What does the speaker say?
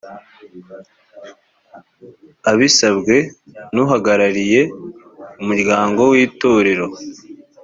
abisabwe n’uhagarariye umuryango w’itorero